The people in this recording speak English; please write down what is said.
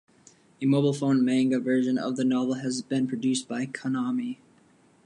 A mobile phone manga version of the novel has been produced by Konami.